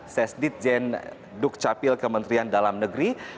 sesi jenduk capil kementerian dalam negeri